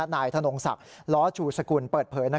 นายธนงศักดิ์ล้อชูสกุลเปิดเผย